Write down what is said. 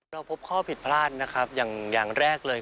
เราพบข้อผิดพลาดนะครับอย่างแรกเลย